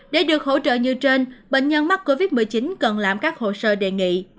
để được hỗ trợ như trên bệnh nhân mắc covid một mươi chín cần làm các hồ sơ đề nghị